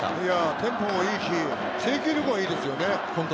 テンポもいいし、制球力がいいですよね。